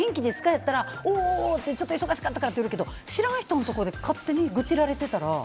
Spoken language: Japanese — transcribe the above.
やったらちょっと忙しかったからって言えるけど知らん人のところで勝手に愚痴られてたら。